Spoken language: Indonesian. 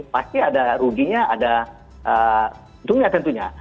pasti ada ruginya ada untungnya tentunya